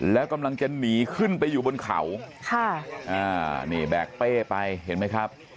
แล้วกำลังจะหนีขึ้นไปอยู่บนเขาค่ะอ่านี่แบกเป้ไปเห็นไหมครับ